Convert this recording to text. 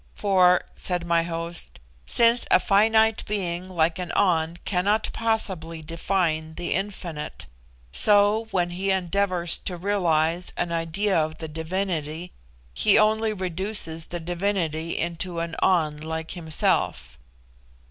"For," said my host, "since a finite being like an An cannot possibly define the Infinite, so, when he endeavours to realise an idea of the Divinity, he only reduces the Divinity into an An like himself."